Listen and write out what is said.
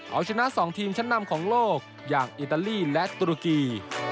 เอาชนะ๒ทีมชั้นนำของโลกอย่างอิตาลีและตุรกี